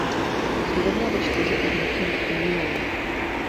Zrovna ve čtyři už něco na chvíli mám.